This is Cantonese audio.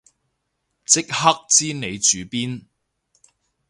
即刻知你住邊